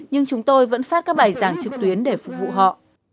nhưng chúng tôi vẫn phát các bài giảng trực tuyến để phục vụ họ